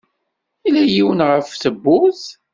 Yella yiwen ɣef tewwurt.